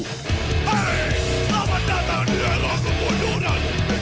hey selamat datang dia langsung munduran